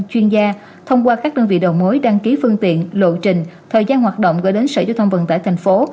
chuyên gia thông qua các đơn vị đầu mối đăng ký phương tiện lộ trình thời gian hoạt động gửi đến sở giao thông vận tải thành phố